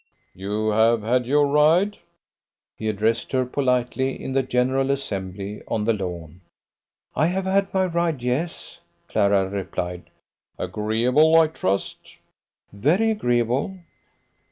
"You have had your ride?" he addressed her politely in the general assembly on the lawn. "I have had my ride, yes," Clara replied. "Agreeable, I trust?" "Very agreeable."